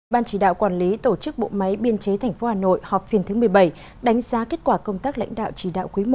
ban chỉ đạo quản lý tổ chức bộ máy biên chế tp hà nội họp phiên thứ một mươi bảy đánh giá kết quả công tác lãnh đạo chỉ đạo quý i